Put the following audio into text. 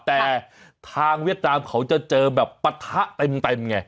แต่ทางเวียดนามเขาจะเจอแบบปะทะเต็มไง